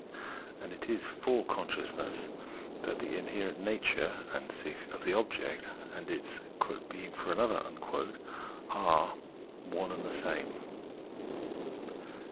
And it is for consciousness that the inherent nature {Ansich) of the object, and its " being for an other " are one and the same.